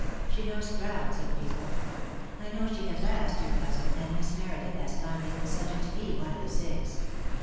She knows crowds of people. I know she has asked your cousin, and Miss Meredith has kindly consented to be one of the six.